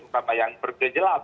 terutama yang bergerjalah